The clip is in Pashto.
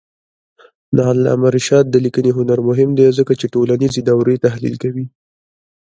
د علامه رشاد لیکنی هنر مهم دی ځکه چې ټولنیز دورې تحلیل کوي.